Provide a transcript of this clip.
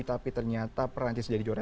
tapi ternyata perancis jadi juara